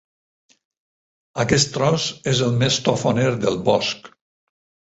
Aquest tros és el més tofoner del bosc.